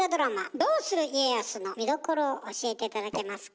「どうする家康」の見どころを教えて頂けますか？